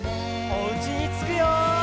おうちにつくよ！